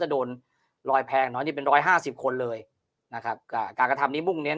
จะโดนรอยแพงน้อยเป็น๑๕๐คนเลยนะครับการกระทำนี้มุ่งเน้น